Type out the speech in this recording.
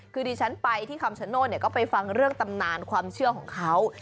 คือดิฉันไปที่คำชโนธก็ไปฟังเรื่องตำนานความเชื่อของเขา